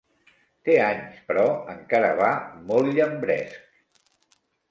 Té anys, però encara va molt llambresc.